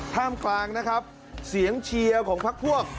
ท่ามกลางนะครับเสียงเชียร์ของพักพวก